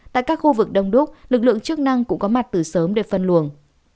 tại các khu vực đông đúc lực lượng chức năng cũng có mặt từ sớm để phân luồng